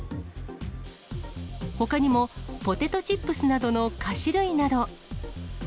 ほかにも、ポテトチップスなどの菓子類など。